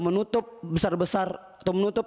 menutup besar besar atau menutup